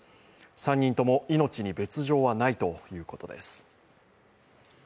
３人とも命に別状はないということです。